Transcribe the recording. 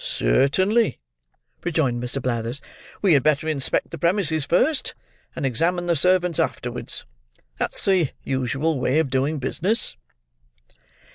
"Certainly," rejoined Mr. Blathers. "We had better inspect the premises first, and examine the servants afterwards. That's the usual way of doing business."